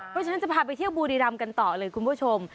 เพราะฉะนั้นจะพาไปเที่ยวบุรีรำกันต่อเลยคุณผู้ชม